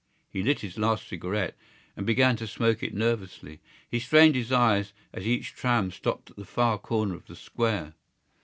He lit his last cigarette and began to smoke it nervously. He strained his eyes as each tram stopped at the far corner of the square.